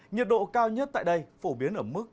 nhiệt độ cao nhất tại đây phổ biến ở mức